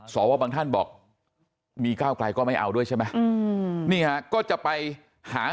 บางท่านบอกมีก้าวไกลก็ไม่เอาด้วยใช่ไหมนี่ฮะก็จะไปหา